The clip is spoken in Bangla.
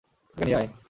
তাকে নিয়ে আয়।